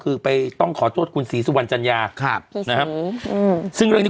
คือไปต้องขอโทษคุณศรีสุวรรณจัญญาครับนะครับซึ่งเรื่องนี้